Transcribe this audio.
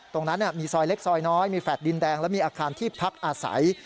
ตรงนั้นมีซอยเล็กซอยน้อยมีแฟลต์ดินแดงและมีอาคารที่พักอาศัย